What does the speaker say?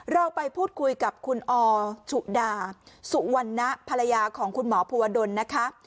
เราไปพูดคุยกับคุณอชุดาสุวรรณะภรรยาของคุณหมอภูวดลนะคะ